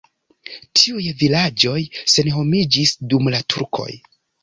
Tiuj vilaĝoj senhomiĝis dum la turkoj.